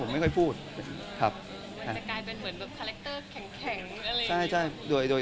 น่าตกใจเนี้ย